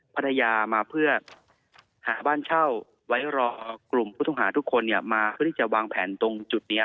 ภรรยามาเพื่อหาบ้านเช่าไว้รอกลุ่มผู้ต้องหาทุกคนเนี่ยมาเพื่อที่จะวางแผนตรงจุดนี้